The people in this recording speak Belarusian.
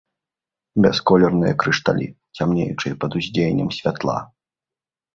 Бясколерныя крышталі, цямнеючыя пад уздзеяннем святла.